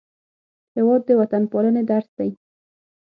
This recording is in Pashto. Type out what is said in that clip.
هېواد د وطنپالنې درس دی.